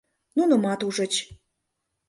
Нунымат ужыч.